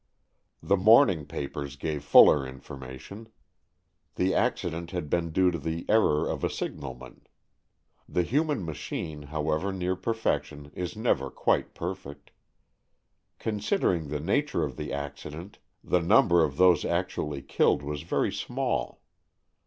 The morning papers gave fuller informa tion. The accident had been due to the error of a signalman. The human machine, however near perfection, is never quite per fect. Considering the nature of the accident, the number of those actually killed was very small.